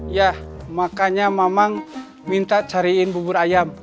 ya makanya mamang minta cariin bubur ayam